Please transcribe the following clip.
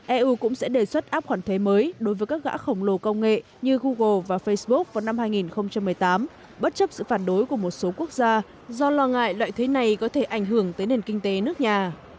eu cũng sẽ đề xuất áp khoản thuế mới đối với các gã khổng lồ công nghệ như google và facebook vào năm hai nghìn một mươi tám bất chấp sự phản đối của một số quốc gia do lo ngại loại thuế này có thể ảnh hưởng tới nền kinh tế nước nhà